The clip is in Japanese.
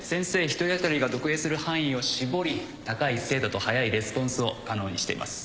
一人当たりが読影する範囲を絞り高い精度と早いレスポンスを可能にしています。